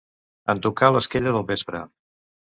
En tocar l'esquella del vespre.